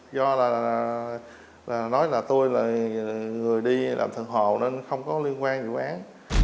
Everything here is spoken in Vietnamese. do là nói là tôi là người đi làm thực hồ nên không có liên quan dự án